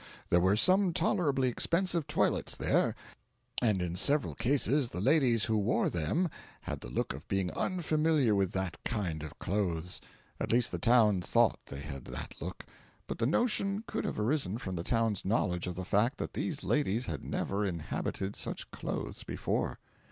There were some tolerably expensive toilets there, and in several cases the ladies who wore them had the look of being unfamiliar with that kind of clothes. At least the town thought they had that look, but the notion could have arisen from the town's knowledge of the fact that these ladies had never inhabited such clothes before.